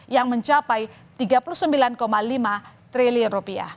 yang mencapai tiga puluh sembilan lima triliun rupiah